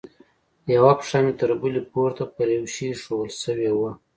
يوه پښه مې تر بلې پورته پر يوه شي ايښوول سوې وه.